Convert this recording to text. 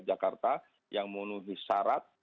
jakarta yang memenuhi syarat